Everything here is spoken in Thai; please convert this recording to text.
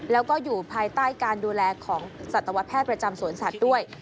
แล้วก็อยู่ภายใต้การดูแลของสัตวแพทย์ประจำสวนสัตว์ด้วย